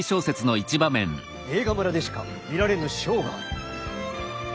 映画村でしか見られぬショーがある。